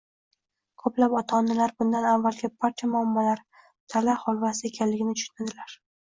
ko‘plab ota-onalar bundan avvalgi barcha muammolar “hali holvasi”ekanligini tushunadilar.